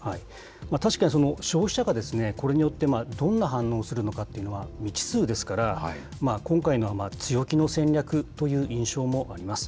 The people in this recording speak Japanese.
確かに、消費者がこれによってどんな反応をするのかというのは未知数ですから、今回のは強気の戦略という印象もあります。